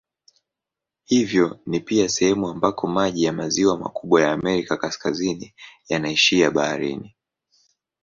Hivyo ni pia sehemu ambako maji ya maziwa makubwa ya Amerika Kaskazini yanaishia baharini.